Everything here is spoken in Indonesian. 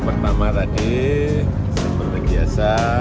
tadi seperti biasa belum berikun